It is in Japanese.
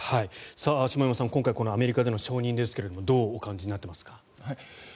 下山さん、今回アメリカでの承認ですがどうお感じになっていますか？